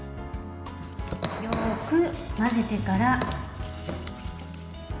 よく混ぜてから。